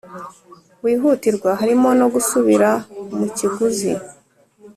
Wihutirwa harimo no gusubira mu kiguzi